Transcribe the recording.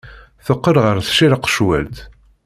Teqqel ɣer tcirqecwalt.